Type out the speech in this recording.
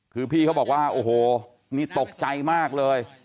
คือพี่เขาบอกว่าโอ้โหนี่ตกใจมากเลย